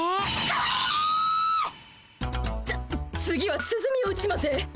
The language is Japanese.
つ次はつづみを打ちませ。